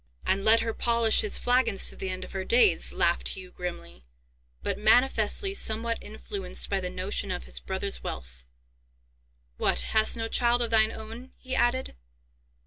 "And let her polish his flagons to the end of her days," laughed Hugh grimly, but manifestly somewhat influenced by the notion of his brother's wealth. "What, hast no child of thine own?" he added.